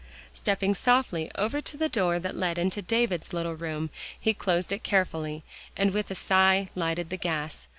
Stepping softly over to the door that led into David's little room, he closed it carefully, and with a sigh, lighted the gas.